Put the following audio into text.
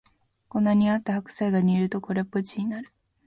こんなにあった白菜が煮るとこれっぽっちになる